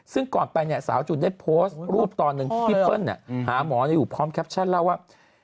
ซึ่งก่อนไปสาวจูนได้โพสต์รูปตอนนึงพี่เปิ้ลหาหมออยู่พร้อมแคปชั่นแล้วว่า